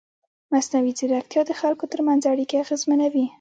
مصنوعي ځیرکتیا د خلکو ترمنځ اړیکې اغېزمنوي.